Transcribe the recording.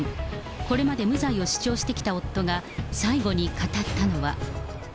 これまで無罪を主張してきた夫が、最後に語ったのは。